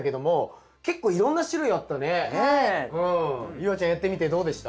夕空ちゃんやってみてどうでした？